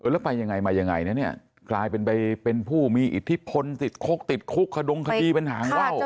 แล้วไปยังไงเนี่ยกลายเป็นผู้มีอิทธิพลติดคลกขดงคดีเป็นหางเว้า